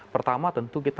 pertama tentu kita